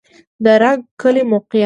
د رګ کلی موقعیت